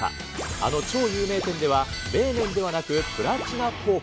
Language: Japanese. あの超有名店では冷麺ではなく、プラチナポーク。